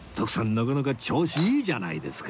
なかなか調子いいじゃないですか